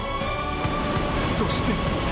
そして。